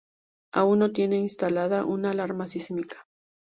Aún no tiene instalada una alarma sísmica.